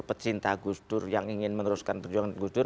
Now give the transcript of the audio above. pecinta gusdur yang ingin meneruskan tujuan gusdur